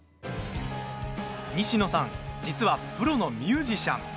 西野さん実はプロのミュージシャン。